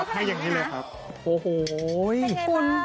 โอ้โฮเป็นไงบ้าง